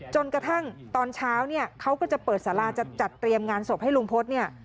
จนกระทั่งตอนเช้าเนี่ยเขาก็จะเปิดสาราจะจัดเตรียมงานศพให้ลุงพลเนี่ย